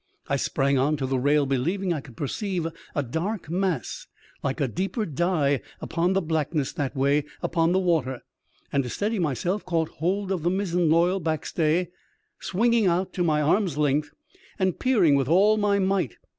I sprang on to the rail believing I could perceive a dark mass — ^like a deeper dye upon the blackness that way — upon the water, and, to steady myself, caught hold of the mizzen loyal backstay, swinging out to my arm's length and peering with all my might.